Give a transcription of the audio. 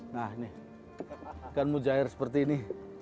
nah ini ikan mujair seperti ini